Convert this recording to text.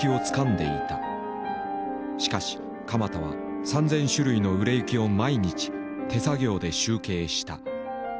しかし鎌田は３，０００種類の売れ行きを毎日手作業で集計した。